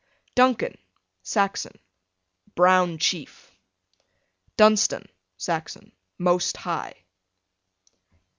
Duncan, Saxon, brown chief. Dunstan, Saxon, most high.